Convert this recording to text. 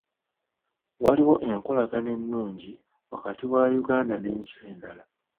Waliwo enkolagana ennungi wakati wa Uganda n'ensi endala.